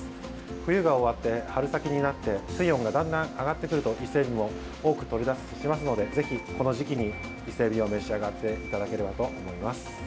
冬が終わって春先になって水温がだんだん上がってくると伊勢えびも多くとれ出しますのでぜひ、この時期に伊勢えびを召し上がっていただければと思います。